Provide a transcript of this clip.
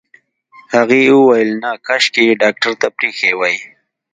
هغې وويل نه کاشکې يې ډاکټر ته پرېښې وای.